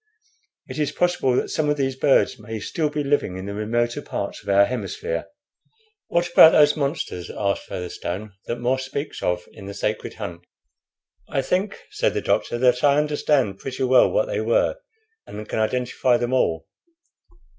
It is possible that some of these birds may still be living in the remoter parts of our hemisphere." "What about those monsters," asked Featherstone, "that More speaks of in the sacred hunt?" "I think," said the doctor, "that I understand pretty well what they were, and can identify them all.